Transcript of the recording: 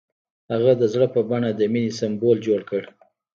هغه د زړه په بڼه د مینې سمبول جوړ کړ.